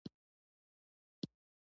ځکه ناروغ بايد ژر تر ژره عمليات شي.